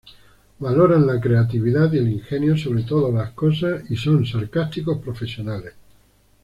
Valoran la creatividad y el ingenio sobre todas las cosas y son sarcásticos profesionales.